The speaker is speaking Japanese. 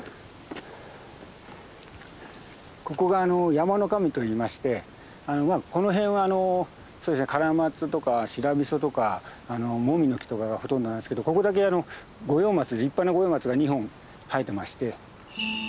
ここが山の神といいましてこの辺はそうですねカラマツとかシラビソとかモミの木とかがほとんどなんですけどここだけ五葉松立派な五葉松が２本生えてまして。